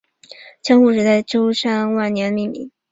江户时代舟山万年命名。